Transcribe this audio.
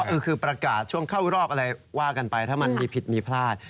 คือประกาศช่วงเข้ารอบอะไรว่ากันไปถ้ามันมีผิดมีพลาด